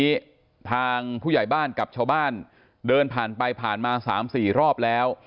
วันนี้ทางผู้ใหญ่บ้านกับชาวบ้านเดินผ่านไปผ่านมา๓๔รอบแล้ว